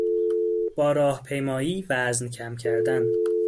با راهپیمایی وزن کم کردن